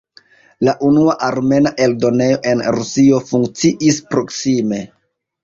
La unua armena eldonejo en Rusio funkciis proksime.